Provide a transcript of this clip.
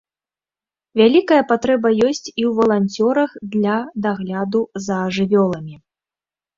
Вялікая патрэба ёсць і ў валанцёрах для дагляду за жывёламі.